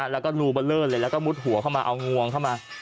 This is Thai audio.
แล้วก็รูเบอร์เลอร์เลยแล้วก็มุดหัวเข้ามาเอางวงเข้ามา